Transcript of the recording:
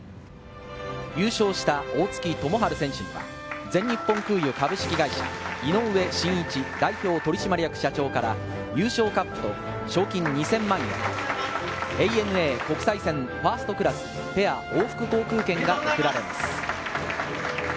優勝した大槻智春選手には全日本空輸株式会社・井上慎一代表取締役社長から優勝カップと賞金２０００万円、ＡＮＡ国際線ファーストクラス・ペア往復航空券が贈られます。